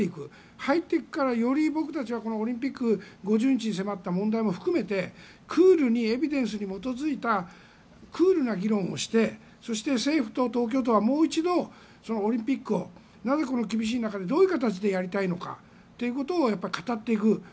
入っていくからより僕たちはオリンピックが５０日に迫った問題も含めてクールに、エビデンスに基づいたクールな議論をしてそして政府と東京都はもう一度オリンピックをなぜ、この厳しい中でどういう形でやりたいのかということをやっぱり語っていく。